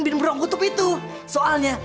bin brongutup itu soalnya